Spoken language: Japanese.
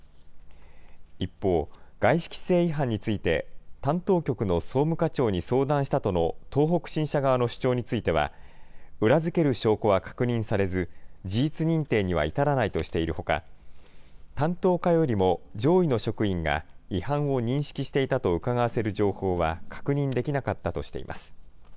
一方、外資規制違反について、担当局の総務課長に相談したとの東北新社側の主張については、裏付ける証拠は確認されず、事実認定には至らないとしているほか、担当課よりも上位の職員が違反を認識していたとうかがわせる情報は確認できなかったとしています。